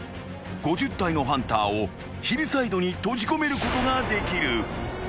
［５０体のハンターをヒルサイドに閉じ込めることができる］